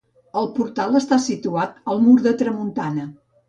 El portal està situat al mur de tramuntana.